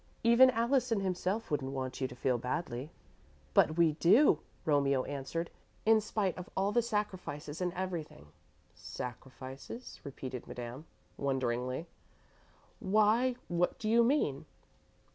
Even Allison himself wouldn't want you to feel badly." "But we do," Romeo answered, "in spite of all the sacrifices and everything." "Sacrifices," repeated Madame, wonderingly, "why, what do you mean?"